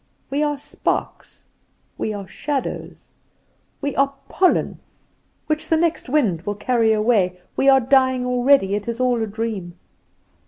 We are sparks, we are shadows, we are pollen, which the next wind will carry away. We are dying already; it is all a dream.